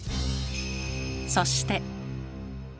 そして。